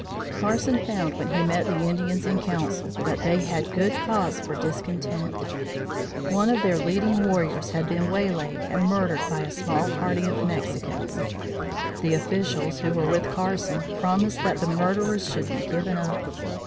Carson found when he met the Indians in council that they had good cause for discontent. One of their leading warriors had been waylaid and murdered by a small party of Mexicans. The officials who were with Carson promised that the murderers should be given up.